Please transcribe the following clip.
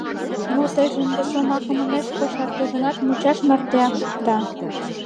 — Мо, тыйже ынде... — шомакым ынеж кошарте гынат, мучаш мартеак шукта.